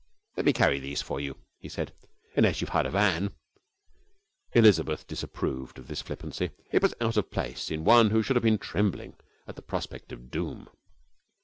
'Let me carry these for you,' he said, 'unless you've hired a van.' Elizabeth disapproved of this flippancy. It was out of place in one who should have been trembling at the prospect of doom.